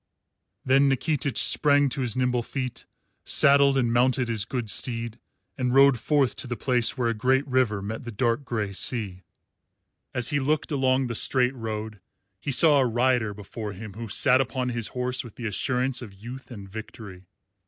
Then Nikitich sprang to his nimble feet, saddled and mounted his good steed, and rode forth to the place where a great river met the dark grey sea. As he looked along the straight road he saw a rider before him who sat upon his horse with the assurance of youth and victory.